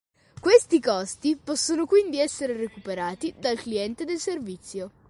Questi costi possono quindi essere recuperati dal cliente del servizio.